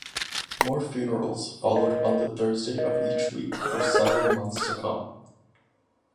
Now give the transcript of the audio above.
More funerals followed on the Thursday of each week for several months to come.